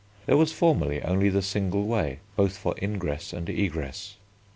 There was formerly only the single way, both for ingress and egress.